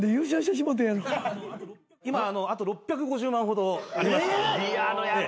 今あと６５０万ほどありまして。